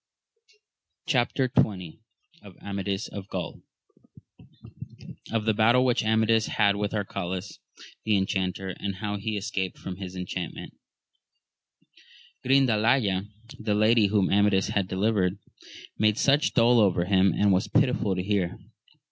— Of the battle which Amadis had with Arcalaus the Enchanter, and how he escaped from his enchantment. RINDALAYA, the lady whom Amadis had delivered, made such dole over him as was pitiful to hear.